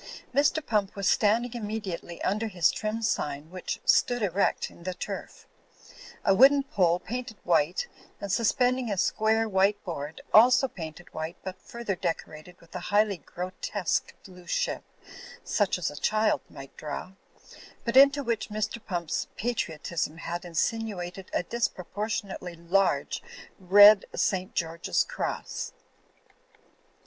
Mr. Pump was standing immediately under his trim sign, which stood erect in the turf ; a wooden pole painted white and suspending a square white bqard, also painted white but further decorated with a highly grotesque blue ship, such as a child might draw, b^t into which Mr. Pump's patri otism had insinuated a disproportionately large red St. George's cross.